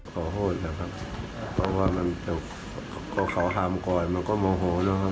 ขอโทษนะครับเพราะว่ามันก็เขาห้ามก่อนมันก็โมโหเนอะครับ